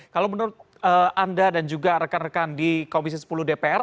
kalau menurut anda dan juga rekan rekan di komisi sepuluh dpr